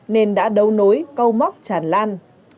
nên đã đấu nối câu móc tràn lan